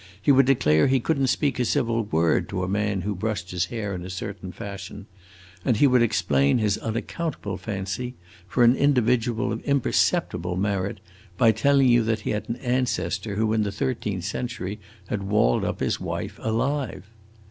He would declare he could n't speak a civil word to a man who brushed his hair in a certain fashion, and he would explain his unaccountable fancy for an individual of imperceptible merit by telling you that he had an ancestor who in the thirteenth century had walled up his wife alive.